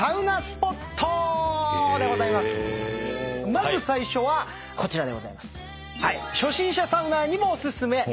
まず最初はこちらでございます。